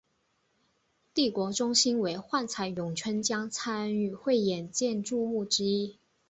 帝国中心为幻彩咏香江参与汇演建筑物之一。